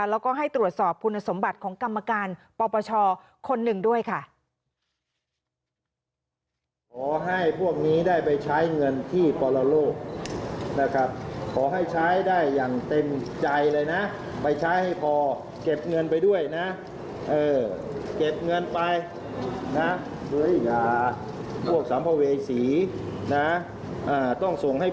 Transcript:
แล้วก็ให้ตรวจสอบคุณสมบัติของกรรมการปปชคนหนึ่งด้วยค่ะ